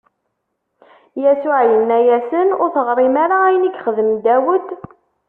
Yasuɛ inna-asen: Ur teɣrim ara ayen i yexdem Dawed?